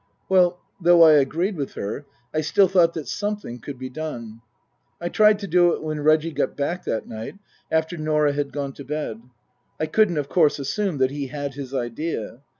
Well, though I agreed with her, I still thought that something could be done. I tried to do it when Reggie got back that night after Norah had gone to bed. I couldn't of course assume that he had his idea.